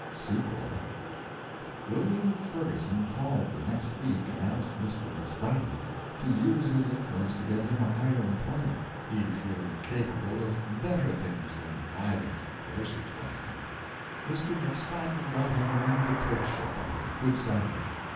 SEQUEL William Ferguson called the next week and asked Mr. McSpadden to use his influence to get him a higher employment, he feeling capable of better things than driving a grocer's wagon. Mr. McSpadden got him an under clerkship at a good salary.